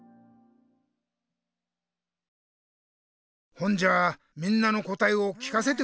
ほんじゃみんなのこたえを聞かせてくれ。